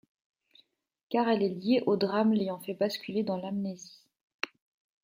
Car elle est liée au drame l'ayant fait basculer dans l'amnésie.